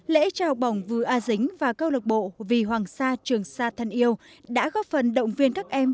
lễ trao bổng vừa a dính và câu lạc bộ vì hoàng sa trường sa thân yêu đã góp phần động viên các em